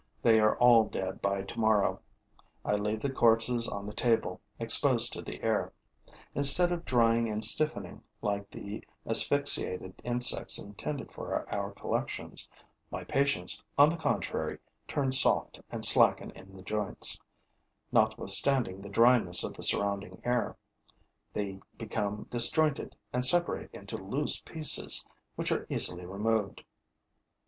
They are all dead by tomorrow. I leave the corpses on the table, exposed to the air. Instead of drying and stiffening, like the asphyxiated insects intended for our collections, my patients, on the contrary, turn soft and slacken in the joints, notwithstanding the dryness of the surrounding air; they become disjointed and separate into loose pieces, which are easily removed.